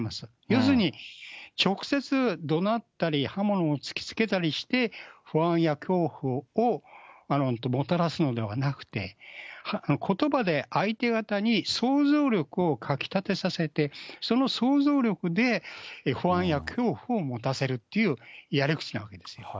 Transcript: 要するに直接怒鳴ったり刃物を突きつけたりして、不安や恐怖をもたらすのではなくて、ことばで相手方に想像力をかきたてさせて、その想像力で不安や恐怖を持たせるっていうやり口なわけですよ。